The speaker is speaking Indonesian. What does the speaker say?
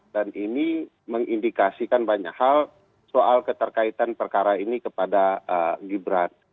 dan ini mengindikasikan banyak hal soal keterkaitan perkara ini kepada gibran